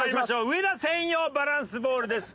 上田専用バランスボールです。